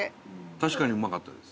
確かにうまかったです。